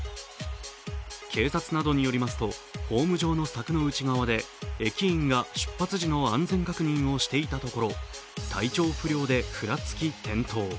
警察などによりますとホーム上の柵の内側で駅員が出発時の安全確認をしていたところ、体調不良で、ふらつき転倒。